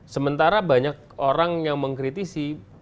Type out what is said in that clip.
sementara banyak orang yang mengkritisi